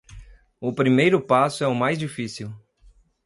O primeiro passo é o mais difícil.